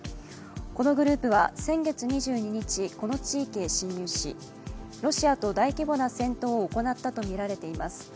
このグループは先月２２日、この地域へ侵入しロシアと大規模な戦闘を行ったとみられています。